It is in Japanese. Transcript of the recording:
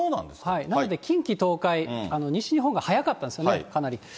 なんで近畿、東海、西日本が早かったんですよね、かなり。